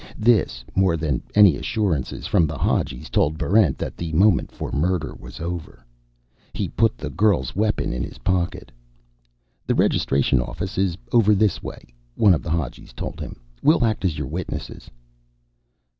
This, more than any assurances from the Hadjis, told Barrent that the moment for murder was over. He put the girl's weapon in his pocket. "The Registration Office is over this way," one of the Hadjis told him. "We'll act as your witnesses."